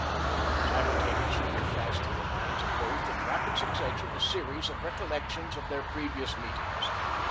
Simultaneously there flashed through the minds of both in rapid succession a series of recollections of their previous meetings.